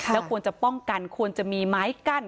แล้วควรจะป้องกันควรจะมีไม้กั้น